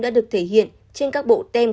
đã được thể hiện trên các bộ tem